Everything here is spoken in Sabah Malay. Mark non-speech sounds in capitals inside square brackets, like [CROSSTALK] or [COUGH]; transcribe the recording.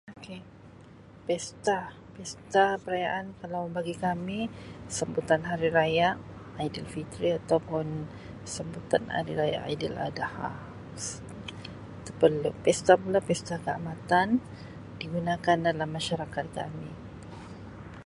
Ok pesta pesta perayaan kalau bagi kami sambutan hari raya Aidilfitri ataupun sambutan hari raya Aidiladha [UNINTELLIGIBLE] pesta pula pesta Kaamatan digunakan dalam masyarakat kami.